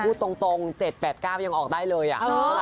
พูดตรง๗๘๙ยังออกได้เลย